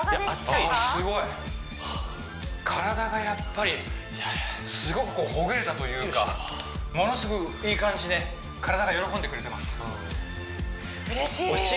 あすごい体がやっぱりすごくほぐれたというかものすごくいい感じで体が喜んでくれてます嬉しい！